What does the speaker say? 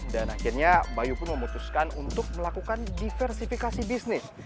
dan akhirnya bayu pun memutuskan untuk melakukan diversifikasi bisnis